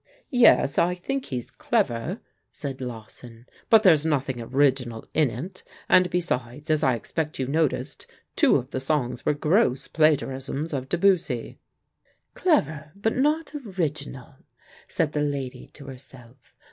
"Yes, I think he's clever," said Lawson, "but there's nothing original in it, and besides, as I expect you noticed, two of the songs were gross plagiarisms of De Bussy." "Clever, but not original," said the lady to herself.